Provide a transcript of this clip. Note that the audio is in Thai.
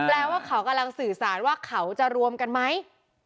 แปลว่าเขากำลังสื่อสารว่าเขาจะรวมกันไหม